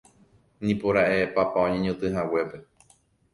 nipora'e papa oñeñotỹhaguépe